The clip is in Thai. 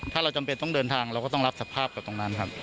ถ้าเราจำเป็นต้องเดินทางเราก็ต้องรับสภาพกับตรงนั้นครับ